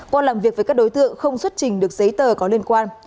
qua làm việc với các đối tượng không xuất trình được giấy tờ có liên quan